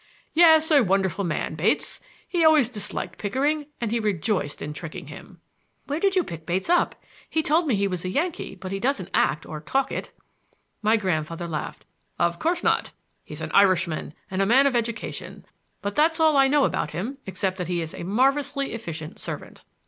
"Yes, a wonderful man, Bates. He always disliked Pickering, and he rejoiced in tricking him." "Where did you pick Bates up? He told me he was a Yankee, but he doesn't act or talk it." My grandfather laughed. "Of course not! He's an Irishman and a man of education—but that's all I know about him, except that he is a marvelously efficient servant."